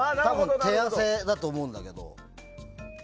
手汗だと思うんだけど。